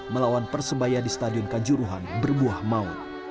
melawan persebaya di stadion kanjuruhan berbuah maut